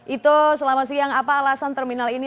itu selama siang apa alasan terminal ini